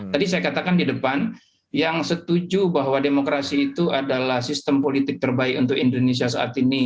tadi saya katakan di depan yang setuju bahwa demokrasi itu adalah sistem politik terbaik untuk indonesia saat ini